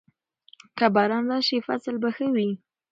که باران راشي، فصل به ښه وي.